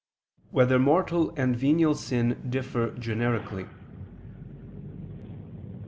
2] Whether Mortal and Venial Sin Differ Generically?